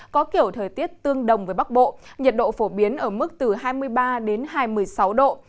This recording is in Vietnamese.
có kiểu thời tiết tương đồng với bắc bộ nhiệt độ phổ biến ở mức từ hai mươi ba đến hai mươi sáu độ